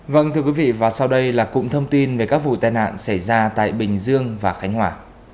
vâng thưa quý vị và sau đây là cụm thông tin về các vụ tai nạn xảy ra tại bình dương và khánh hòa